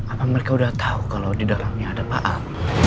apa mereka udah tau kalo didalamnya ada paal